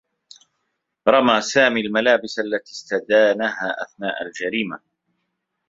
رمى سامي الملابس التي استداها أثناء الجريمة.